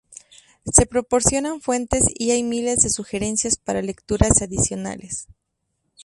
Se proporcionan fuentes y hay miles de sugerencias para lecturas adicionales.